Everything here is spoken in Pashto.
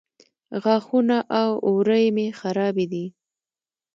غاښونه او اورۍ مې خرابې دي